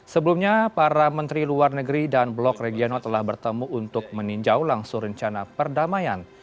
sebelumnya para menteri luar negeri dan blok regional telah bertemu untuk meninjau langsung rencana perdamaian